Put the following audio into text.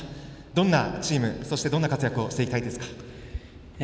どんなチーム、そしてどんな活躍をしていきたいですか。